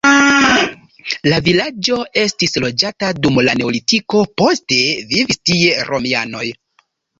La vilaĝo estis loĝata dum la neolitiko, poste vivis tie romianoj.